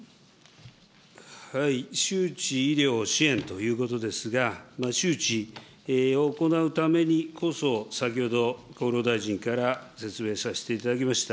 周知、医療、支援ということですが、周知を行うためにこそ、先ほど厚労大臣から説明させていただきました。